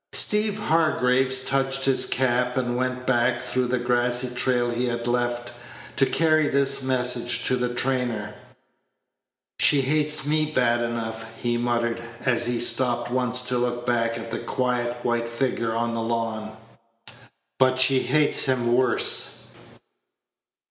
Steeve Hargraves touched his cap, and went back through the grassy trail he had left, to carry this message to the trainer. "She hates me bad enough," he muttered, as he stopped once to look back at the quiet white figure on the lawn, "but she hates him worse."